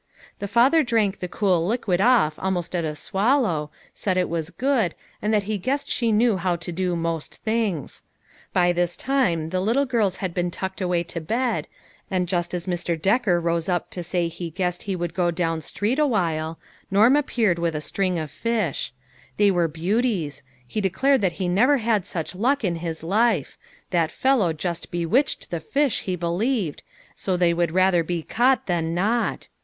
The father drank the cool liquid off almost at a swallow, said it was good, and that he guessed she knew how to do most things. By this time the little girls had been tucked away to bed, 138 LITTLE FISHERS : AND THEIR NETS. and just as Mr. Decker rose up to say he guessed he would go down street awhile, Norm appeared with a string of fish. They were beauties ; he declared that he never had such luck in his life ; that fellow just bewitched the fish, he believed, so they would rather be caught than not.